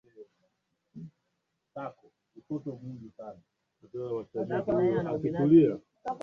kushinda zile ambazo zinakubalika kimataifa